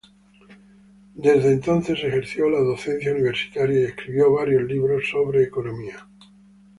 Desde entonces ejerció la docencia universitaria y escribió varios libros sobre economía.